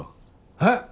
えっ？